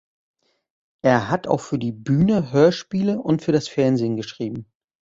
Er hat auch für die Bühne, Hörspiele und für das Fernsehen geschrieben.